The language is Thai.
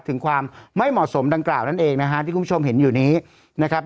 ถึงความไม่เหมาะสมดังกล่าวนั่นเองนะฮะที่คุณผู้ชมเห็นอยู่นี้นะครับ